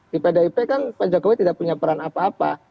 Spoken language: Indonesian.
di pdip kan pak jokowi tidak punya peran apa apa